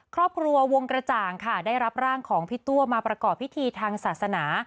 ครอบครัววงกระจ่างค่ะได้รับร่างของพี่ตัวมาประกอบพิธีทางศาสนา